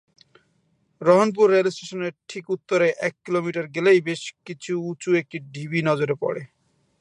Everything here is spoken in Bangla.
রহনপুর রেল স্টেশনের ঠিক উত্তরে এক কিলোমিটার গেলেই বেশ কিছু উঁচু একটি ঢিবি নজরে পড়ে।